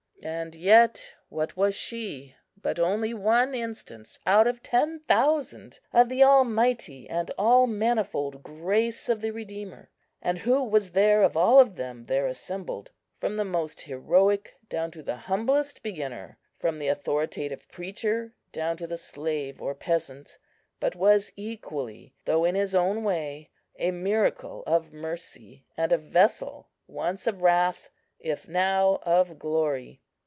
And yet what was she but only one instance out of ten thousand, of the Almighty and All manifold Grace of the Redeemer? And who was there of all of them, there assembled, from the most heroic down to the humblest beginner, from the authoritative preacher down to the slave or peasant, but was equally, though in his own way, a miracle of mercy, and a vessel, once of wrath, if now of glory?